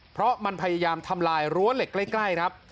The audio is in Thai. เพราะมันพยายามทำลายรั้วเหล็กใกล้ครับ